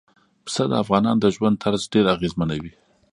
پسه د افغانانو د ژوند طرز ډېر اغېزمنوي.